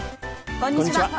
こんにちは。